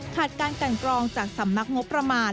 ขาดการกันกรองจากสำนักงบประมาณ